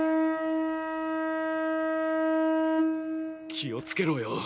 気をつけろよ！